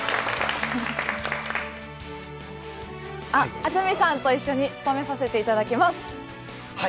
安住さんと一緒に務めさせていただきます。